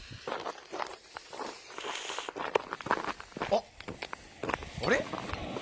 おっ、あれ？